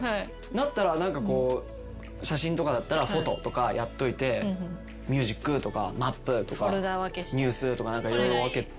だったら写真とかだったらフォトとかやっといてミュージックとかマップとかニュースとか。